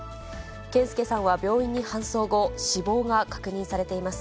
健介さんは病院に搬送後、死亡が確認されています。